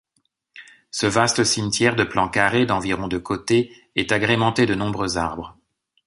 Ce vaste cimetière de plan carré d'environ de côté est agrémenté de nombreux arbres.